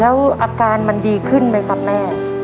แล้วอาการมันดีขึ้นไหมครับแม่